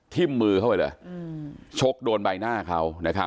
ทิ้มมือเข้าไปเลยอืมชกโดนใบหน้าเขานะครับ